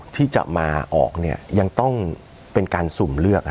ที่จะมาออกยังต้องเป็นการสุ่มเลือก